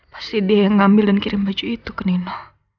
pasti dia yang ngambil dan kirim baju itu ke nino